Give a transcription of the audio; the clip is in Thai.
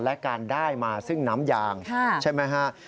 และการได้มาซึ่งน้ำยางใช่ไหมฮะ